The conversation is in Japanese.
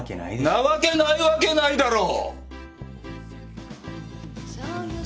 なわけないわけないだろ！？